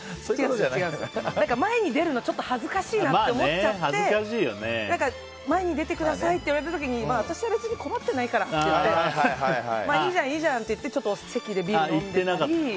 前に出るの、ちょっと恥ずかしいなって思っちゃってだから前に出てくださいって言われた時に私は別に困ってないからってまあいいじゃんって言って席でビール飲んでたり。